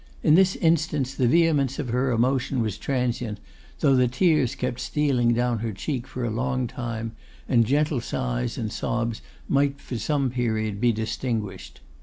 In this instance the vehemence of her emotion was transient, though the tears kept stealing down her cheek for a long time, and gentle sighs and sobs might for some period be distinguished.